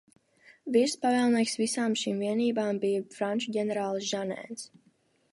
Virspavēlnieks visām šīm vienībām bija franču ģenerālis Žanēns.